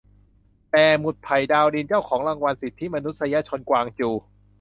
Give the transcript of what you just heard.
แต่"หมุดไผ่ ดาวดิน" เจ้าของรางวัลสิทธิมนุษยชนกวางจู"